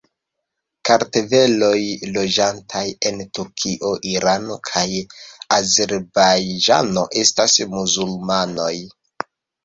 Kartveloj loĝantaj en Turkio, Irano kaj Azerbajĝano estas muzulmanoj.